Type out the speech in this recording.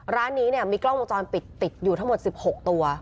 ร้านนี้เนี่ยมีกล้องวงจรปิดติดอยู่ทั้งหมด๑๖ตัว